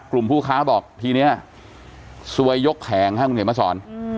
กลุ่มผู้ค้าบอกทีเนี่ยสวยยกแข็งให้คุณเห็นมาสอน